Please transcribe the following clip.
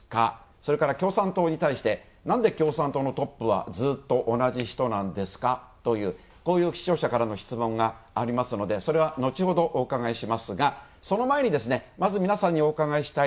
それから共産党に対して、なんで共産党のトップはずっと同じ人なんですか？というこういう視聴者からの質問がありますのでそれは、後ほどお伺いしますがその前に、まず皆さんにお伺いしたい。